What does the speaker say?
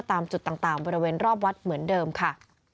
ตามจุดต่างบริเวณรอบวัดเหมือนเดิมค่ะ